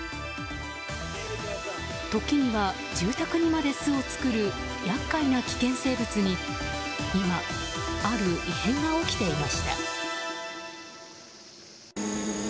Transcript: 時には住宅にまで巣を作る厄介な危険生物に今、ある異変が起きていました。